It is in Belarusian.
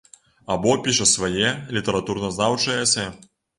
Або піша свае літаратуразнаўчыя эсэ.